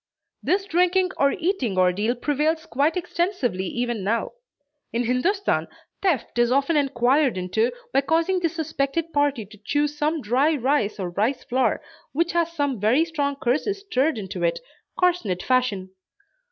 This drinking or eating ordeal prevails quite extensively even now. In Hindostan, theft is often enquired into by causing the suspected party to chew some dry rice or rice flour, which has some very strong curses stirred into it, corsned fashion.